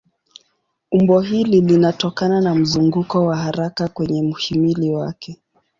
Umbo hili linatokana na mzunguko wa haraka kwenye mhimili wake.